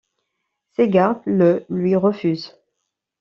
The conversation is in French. Ses gardes le lui refusent.